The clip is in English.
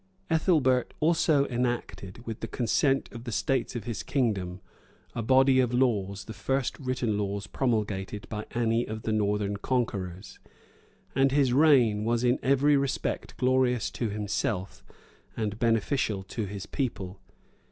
[] Ethelbert also enacted,[] with the consent of the states of his kingdom, a body of laws, the first written laws promulgated by any of the northern conquerors; and his reign was in every respect glorious to himself and beneficial to his people.